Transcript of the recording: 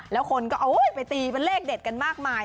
แล้วคนก็เอาไปตีเป็นเลขเด็ดกันมากมาย